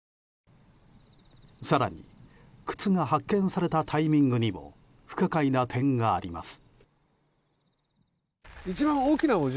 更に靴が発見されたタイミングにも不可解な点があります。